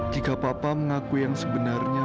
jika papa mengakui yang sebenarnya